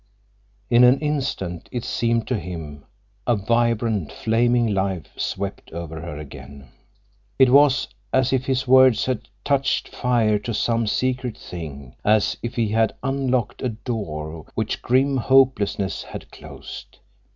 In an instant, it seemed to him, a vibrant, flaming life swept over her again. It was as if his words had touched fire to some secret thing, as if he had unlocked a door which grim hopelessness had closed.